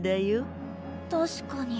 確かに。